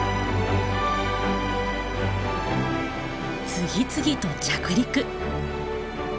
次々と着陸。